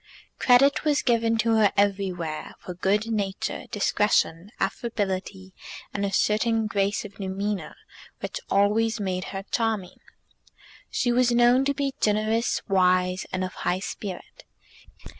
Credit was given to her everywhere for good nature, discretion, affability, and a certain grace of demeanour which always made her charming. She was known to be generous, wise, and of high spirit.